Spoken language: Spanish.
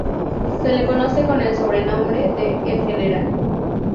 Se le conoce con el sobrenombre de "El General".